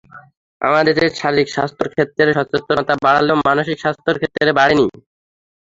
আমাদের দেশে শারীরিক স্বাস্থ্যের ক্ষেত্রে সচেতনতা বাড়লেও মানসিক স্বাস্থ্যের ক্ষেত্রে বাড়েনি।